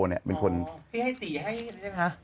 หนึ่งควรให้สิ่งให้เอง